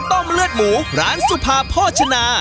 เลือดหมูร้านสุภาโภชนา